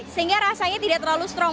sehingga rasanya tidak terlalu strong